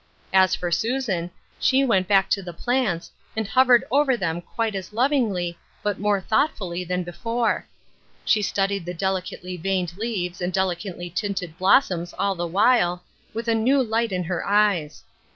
As for Susan, she went back to the plants, and hovered over them quite as lovingly, but more thoughtfully than before. She studied the delicately veined leaves and delicately tinted blossoms all the while, with a new light in her eyes.